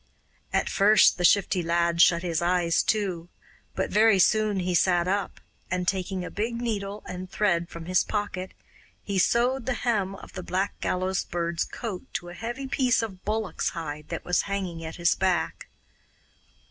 At first the Shifty Lad shut his eyes too, but very soon he sat up, and taking a big needle and thread from his pocket, he sewed the hem of the Black Gallows Bird's coat to a heavy piece of bullock's hide that was hanging at his back.